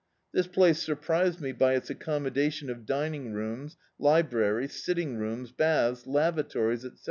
This place surprised me by its accommodation of dining rooms, library, sitting rooms, baths, lavatories, etc.